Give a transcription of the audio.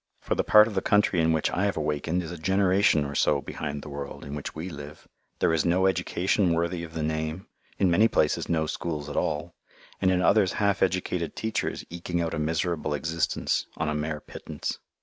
For the part of the country in which I have awakened is a generation or so behind the world in which we live. There is no education worthy of the name, in many places no schools at all, and in others half educated teachers eking out a miserable existence on a mere pittance.